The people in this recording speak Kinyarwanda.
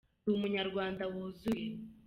ndi umunyarwanda wuzuye